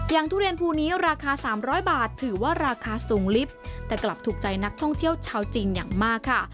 ทุเรียนภูนี้ราคา๓๐๐บาทถือว่าราคาสูงลิฟต์แต่กลับถูกใจนักท่องเที่ยวชาวจีนอย่างมากค่ะ